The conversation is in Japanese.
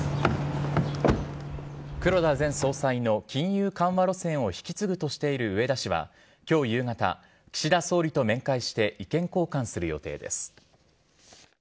黒田前総裁の金融緩和路線を引き継ぐとしている植田氏は、きょう夕方、岸田総理と面会して意見交換する予定です。